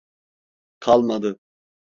Kalmadı.